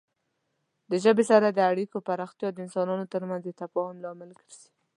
د ژبې سره د اړیکو پراختیا د انسانانو ترمنځ د تفاهم لامل ګرځي.